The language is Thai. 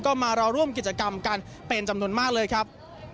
ก็มารอร่วมกิจกรรมกันเป็นจำนวนมากเลยครับ